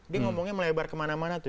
dia ngomongnya melebar kemana mana tuh